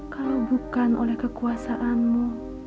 kalau bukan oleh kekuasaanmu